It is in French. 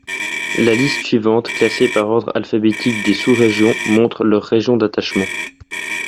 La liste suivante, classée par ordre alphabétique des sous-régions, montre leur région d'attachement.